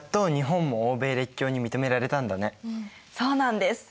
そうなんです。